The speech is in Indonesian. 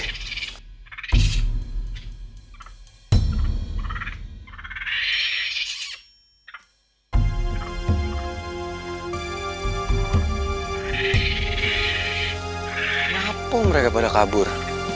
kenapa mereka pada kabur